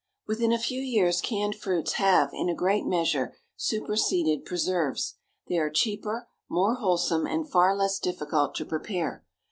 Within a few years canned fruits have, in a great measure, superseded preserves. They are cheaper, more wholesome, and far less difficult to prepare.